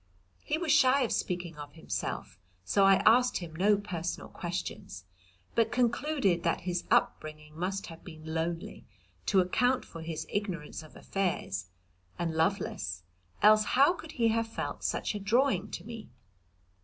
He was shy of speaking of himself so I asked him no personal questions, but concluded that his upbringing must have been lonely, to account for his ignorance of affairs, and loveless, else how could he have felt such a drawing to me?